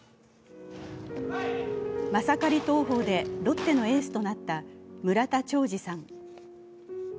マサカリ投法でロッテのエースとなった村田兆治さん。